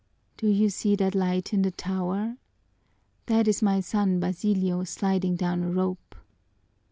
"Do you see that light in the tower? That is my son Basilio sliding down a rope!